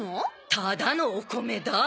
ただのお米だこれ。